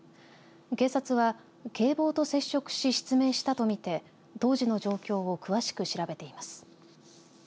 警察は警棒と接触し失明したとみて当時の状況を詳しく調べています。